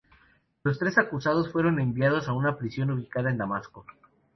Los tres acusados fueron enviados a una prisión ubicada en Damasco.